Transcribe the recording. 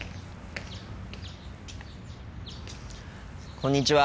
こんにちは。